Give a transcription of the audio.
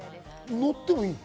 乗ってもいいの？